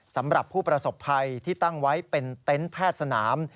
สำหรับผู้ประสบภัยที่ตั้งไว้เป็นเต็นต์แพทย์สนาม